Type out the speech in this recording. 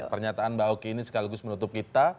pernyataan mbak oki ini sekaligus menutup kita